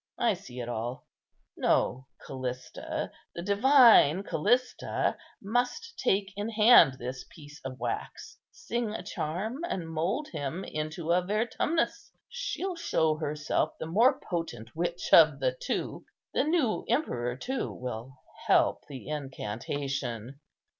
I see it all; no, Callista, the divine Callista, must take in hand this piece of wax, sing a charm, and mould him into a Vertumnus. She'll show herself the more potent witch of the two. The new emperor too will help the incantation."